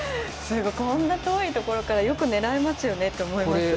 こんなに遠いところからよく狙えますよねって思います。